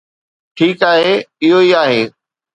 ٺيڪ آهي، اهو ئي آهي.